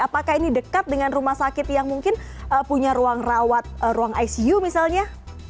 apakah ini dekat dengan rumah sakit yang mungkin punya ruang rawat ruang icu misalnya